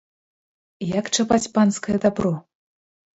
Як чапаць панскае дабро!